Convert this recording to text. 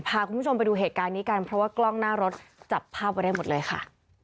พาคุณผู้ชมไปดูเหตุการณ์นี้กันเพราะว่ากล้องหน้ารถจับภาพไว้ได้หมดเลยค่ะ